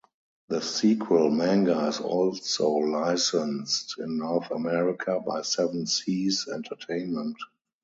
The sequel manga is also licensed in North America by Seven Seas Entertainment.